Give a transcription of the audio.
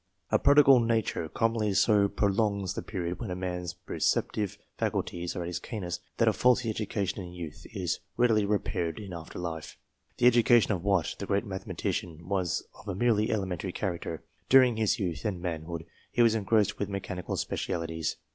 A prodigal nature commonly so prolongs the period when a man's receptive faculties are at their keenest, that a faulty education in youth, is readily repaired in after life. The education of Watt, the great mechanician, was of a merely elementary character. During his youth and manhood he was engrossed with mechanical specialities.